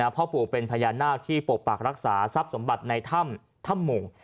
พ่อปู่เป็นพญานาคที่ปกปักรักษาทรัพย์สมบัติในถ้ำโมง